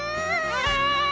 はい！